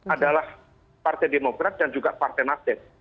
adalah partai demokrat dan juga partai nasdem